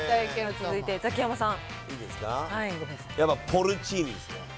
続いてザキヤマさん。